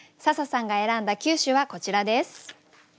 笹さんが選んだ９首はこちらです。